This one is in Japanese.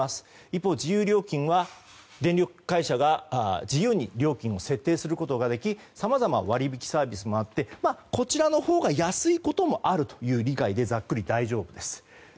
一方、自由料金は電力会社が自由に電気料金を設定できさまざま割引サービスもあってこちらのほうが安いこともあるという理解で大丈夫です。